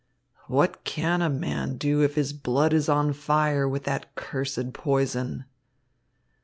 "What can a man do if his blood is on fire with that cursed poison?"